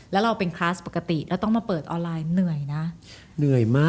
แล้วเราเป็นคลาสปกติแล้วต้องจะเปิดออนไลน์เยอะมาก